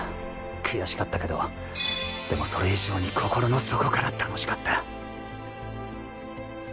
悔しかったけどでもそれ以上に心の底から楽しかった。